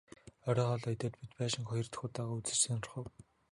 Оройн хоолоо идээд бид байшинг хоёр дахь удаагаа үзэж сонирхов.